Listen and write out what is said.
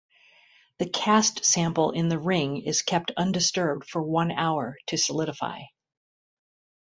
The cast sample in the ring is kept undisturbed for one hour to solidify.